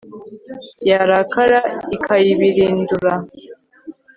yarakara, ikayibirindura